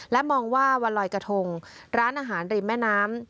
และมองว่าวันลอยกระทงร้านอาหารริมแม่น้ำ